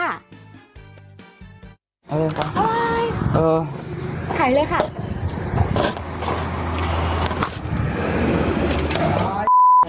เอาเลยค่ะเอาเลยเออไข่เลยค่ะ